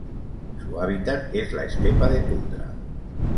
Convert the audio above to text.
Su hábitat es la estepa de tundra.